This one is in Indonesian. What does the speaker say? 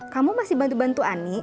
kamu masih bantu bantu ani